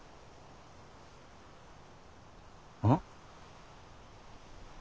うん？